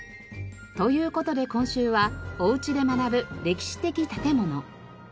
という事で今週はおうちで学ぶ歴史的建物。